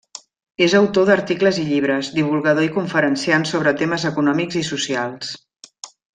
És autor d'articles i llibres, divulgador i conferenciant sobre temes econòmics i socials.